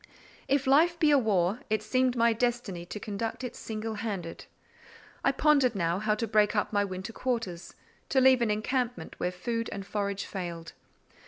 If life be a war, it seemed my destiny to conduct it single handed. I pondered now how to break up my winter quarters—to leave an encampment where food and forage failed.